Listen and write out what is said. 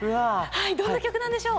どんな曲なんでしょう？